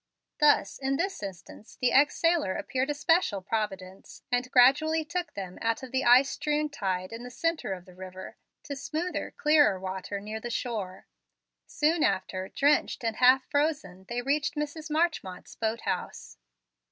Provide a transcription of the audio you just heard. Thus in this instance the ex sailor appeared a special providence, and gradually took them out of the ice strewn tide in the centre of the river to smoother, clearer water nearer the shore. Soon after, drenched and half frozen, they reached Mrs. Marchmont's boat house.